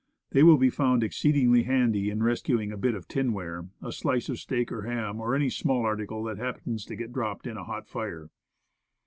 They will be found exceedingly handy in rescuing a bit of tinware, a slice of steak or ham, or any small article that happens to get dropped in a hot fire.